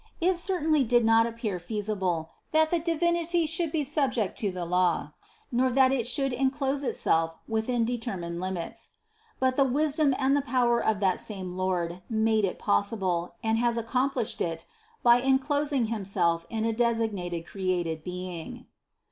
It certainly did not appear feasible, that the Divinity should be subject to law, nor that It should enclose Itself within determined limits. But the wisdom and the power of that same Lord made it possible and has accomplished it by enclosing Himself in a designated created being.